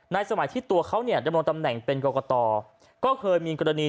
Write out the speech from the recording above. สมัยที่ตัวเขาเนี่ยดำรงตำแหน่งเป็นกรกตก็เคยมีกรณี